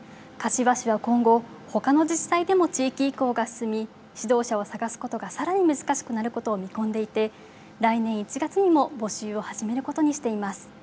柏市は今後、ほかの自治体でも地域移行が進み指導者を探すことがさらに難しくなることを見込んでいて来年１月にも募集を始めることにしています。